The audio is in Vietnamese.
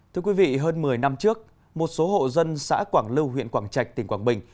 thưa quý vị hơn một mươi năm trước một số hộ dân xã quảng lưu huyện quảng trạch tỉnh quảng bình